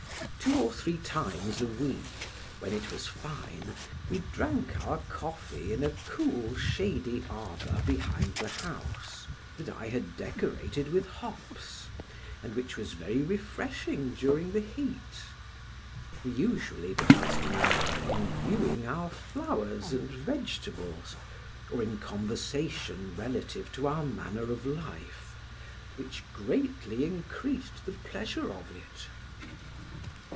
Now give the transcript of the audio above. Two or three times a week, when it was fine, we drank our coffee in a cool shady arbor behind the house, that I had decorated with hops, and which was very refreshing during the heat; we usually passed an hour in viewing our flowers and vegetables, or in conversation relative to our manner of life, which greatly increased the pleasure of it.